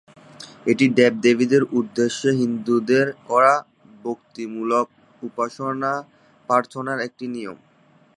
এটি দেবদেবীদের উদ্দেশ্যে হিন্দুদের করা ভক্তিমূলক উপাসনা-প্রার্থনার একটি নিয়ম।